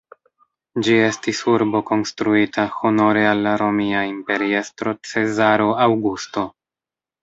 Ĝi estis urbo konstruita honore al la romia imperiestro Cezaro Aŭgusto.